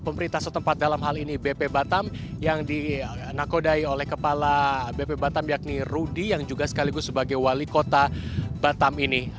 pemerintah setempat dalam hal ini bp batam yang dinakodai oleh kepala bp batam yakni rudy yang juga sekaligus sebagai wali kota batam ini